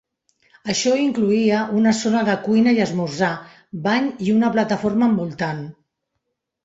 Això incloïa una zona de cuina i esmorzar, bany i una plataforma envoltant.